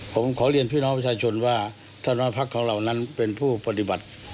ผมขอเรียนพี่น้องประชาชนว่าท่านว่าพักของเรานั้นเป็นผู้ปฏิบัติ